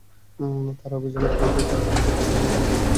তাঁর অভিযোগ, পুলিশই তাঁর স্বামীকে ধরে নিয়ে গুলি করে হত্যা করেছে।